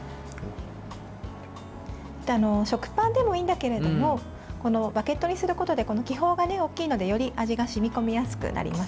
食パンでもいいんだけれどもバゲットにすることで気泡が大きいのでより味が染み込みやすくなります。